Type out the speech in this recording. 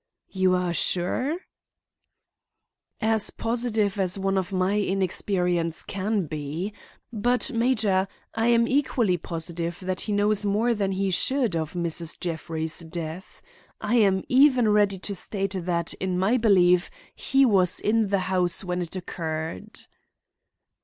"You are sure?" "As positive as one of my inexperience can be. But, Major, I am equally positive that he knows more than he should of Mrs. Jeffrey's death. I am even ready to state that in my belief he was in the house when it occurred."